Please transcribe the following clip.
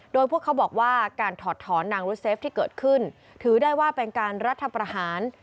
โดยพวกเขาบอกว่าการถอดถอนนางรุเซฟที่เกิดขึ้นถือได้ว่าเป็นการรัฐประหาร